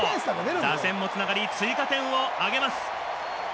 打線も繋がり、追加点を挙げます。